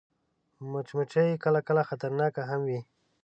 مچمچۍ کله کله خطرناکه هم وي